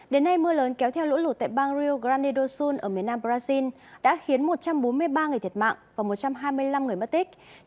đến nay mưa lớn kéo theo lũ lụt tại bang rio grande do sul ở miền nam brazil đã khiến một trăm bốn mươi ba người thiệt mạng và một trăm hai mươi năm người mất tích